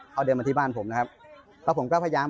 เขาเดินมาที่บ้านผมนะครับแล้วผมก็พยายาม